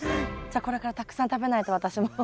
じゃあこれからたくさん食べないと私も。